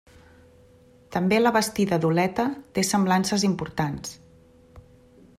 També la Bastida d'Oleta té semblances importants.